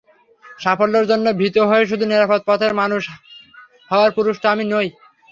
সাফল্যের জন্য ভীত হয়ে শুধু নিরাপদ পথের মানুষ হওয়ার পুরুষতো আমি নই।